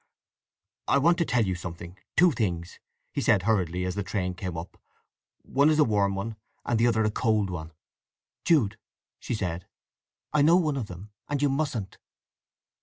"I want to tell you something—two things," he said hurriedly as the train came up. "One is a warm one, the other a cold one!" "Jude," she said. "I know one of them. And you mustn't!"